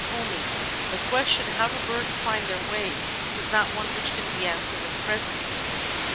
"Homing" The question "How do birds find their way?" is not one which can be answered at present.